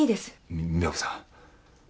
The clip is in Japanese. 美和子さん。